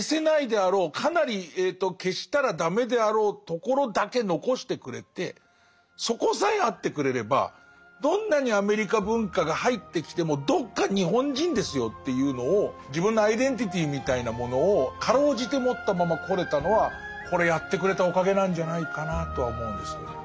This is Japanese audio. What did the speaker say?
結果その戦後を生きさせてもらった自分からしてみるとそこさえあってくれればどんなにアメリカ文化が入ってきてもどっか日本人ですよというのを自分のアイデンティティーみたいなものをかろうじて持ったままこれたのはこれやってくれたおかげなんじゃないかなとは思うんですけどね。